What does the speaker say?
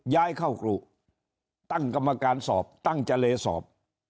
ย้ายเข้ากรุตั้งกรรมการสอบตั้งเจรสอบ